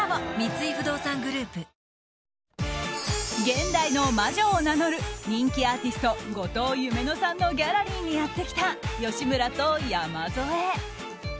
現代の魔女を名乗る人気アーティスト後藤夢乃さんのギャラリーにやってきた吉村と山添。